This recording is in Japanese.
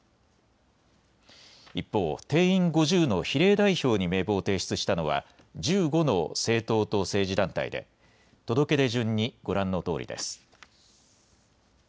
一方、定員５０の比例代表に名簿を提出したのは１５の政党と政治団体で届け出順にご覧のとおりです。